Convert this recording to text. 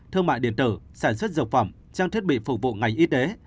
thương mại điện tử sản xuất dược phẩm trang thiết bị phục vụ ngành y tế